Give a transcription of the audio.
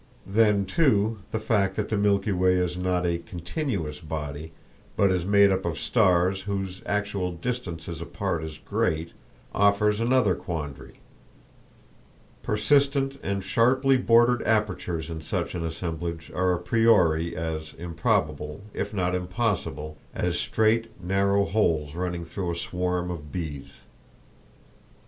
Then, too, the fact that the Milky Way is not a continuous body but is made up of stars whose actual distances apart is great, offers another quandary; persistent and sharply bordered apertures in such an assemblage are a priori as improbable, if not impossible, as straight, narrow holes running through a swarm of bees.